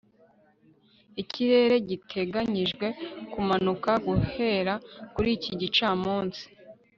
ikirere giteganijwe kumanuka guhera kuri iki gicamunsi